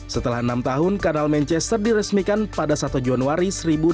setelah enam tahun kanal manchester diresmikan pada satu januari seribu sembilan ratus delapan puluh